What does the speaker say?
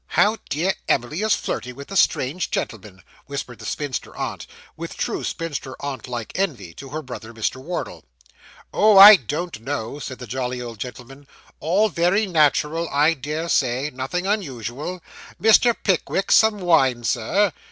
'How dear Emily is flirting with the strange gentleman,' whispered the spinster aunt, with true spinster aunt like envy, to her brother, Mr. Wardle. 'Oh! I don't know,' said the jolly old gentleman; 'all very natural, I dare say nothing unusual. Mr. Pickwick, some wine, Sir?